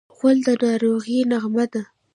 غول د ناروغۍ نغمه ده.